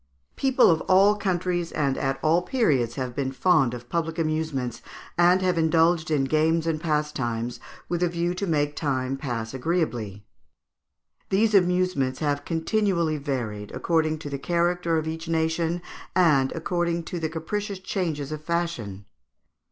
People of all countries and at all periods have been fond of public amusements, and have indulged in games and pastimes with a view to make time pass agreeably. These amusements have continually varied, according to the character of each nation, and according to the capricious changes of fashion.